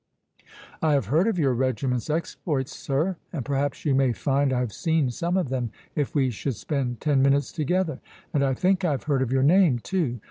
"I have heard of your regiment's exploits, sir; and perhaps you may find I have seen some of them, if we should spend ten minutes together. And I think I have heard of your name too.